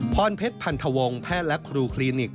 พรเพชรพันธวงศ์แพทย์และครูคลินิก